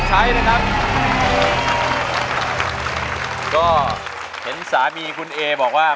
เปลี่ยนเพลงเก่งของคุณและข้ามผิดได้๑คำ